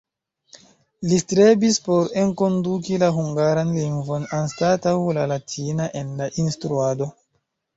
Li strebis por enkonduki la hungaran lingvon anstataŭ la latina en la instruado.